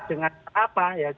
dengan apa ya